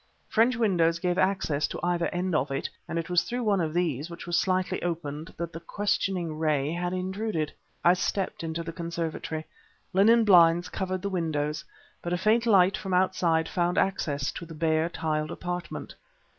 French windows gave access to either end of it; and it was through one of these, which was slightly open, that the questioning ray had intruded. I stepped into the conservatory. Linen blinds covered the windows, but a faint light from outside found access to the bare, tiled apartment.